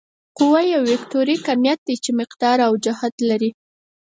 قوه یو وکتوري کمیت دی چې مقدار او جهت لري.